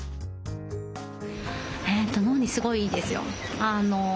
脳にすごいいいですよ。